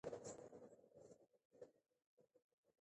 بادام د افغانستان د اقلیم ځانګړتیا ده.